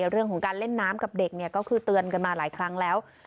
เรื่องของการเล่นน้ำกับเด็กก็คือเตือนกันมาหลายครั้งแล้ว